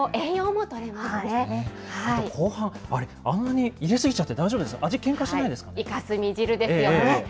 後半、あれ、あんなに入れ過ぎちゃって大丈夫ですか、味、けいかすみ汁ですよね。